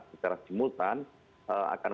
secara simultan akan